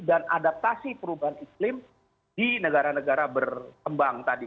dan adaptasi perubahan iklim di negara negara berkembang tadi